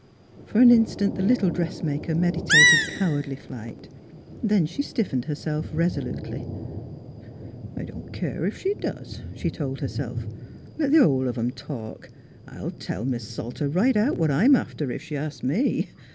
For an instant the little dressmaker meditated cowardly flight; then she stiffened her self resolutely. " I don't care ef she does," she told herself. "Let th' hull of 'em talk! I'll tell Mis' Salter right out what I'm after, ef she asks me.